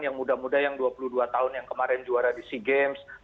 yang muda muda yang dua puluh dua tahun yang kemarin juara di sea games